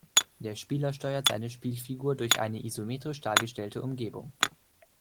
Der Spieler steuert seine Spielfigur durch eine isometrisch dargestellte Umgebung.